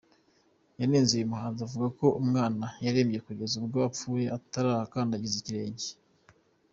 Yanenze uyu muhanzi avuga ko umwana yarembye kugeza ubwo apfuye atarahakandagiza ikirenge.